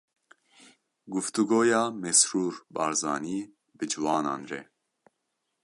Guftûgoya Mesrûr Barzanî bi ciwanan re.